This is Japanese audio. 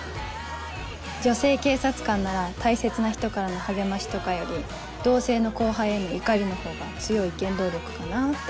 女性警察官なら大切な人からの励ましとかより同性の後輩への怒りのほうが強い原動力かなって。